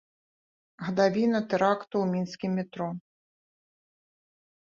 Гадавіна тэракту ў мінскім метро.